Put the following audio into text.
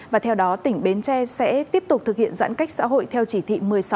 và theo đó tỉnh bến tre sẽ tiếp tục thực hiện giãn cách xã hội theo chỉ thị một mươi sáu